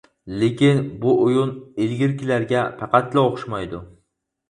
لېكىن بۇ ئويۇن ئىلگىرىكىلەرگە پەقەتلا ئوخشىمايدۇ.